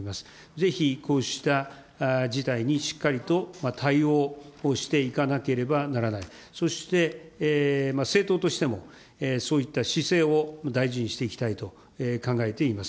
ぜひこうした事態にしっかりと対応をしていかなければならない、そして、政党としても、そういった姿勢を大事にしていきたいと考えています。